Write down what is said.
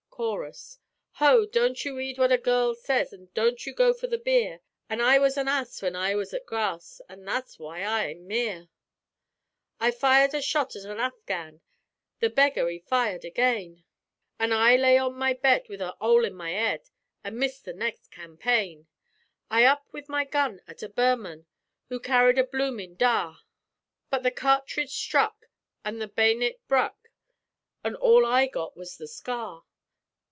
Chorus "Ho! don't you 'eed what a girl says. An' don't you go for the beer; But I was an ass when I was at grass, An' that is why I'm 'ere. "I fired a shot at an Afghan; The beggar 'e fired again; An' I lay on my bed with a 'ole in my 'ead, An' missed the next campaign! I up with my gun at a Burman Who carried a bloomin' dah, But the cartridge stuck an' the bay'nit bruk An' all I got was the scar.